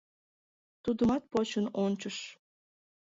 Тудымат почын ончыш.